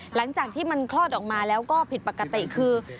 หลังจากที่มันคลอดออกมาแล้วก็ผิดปกติคือ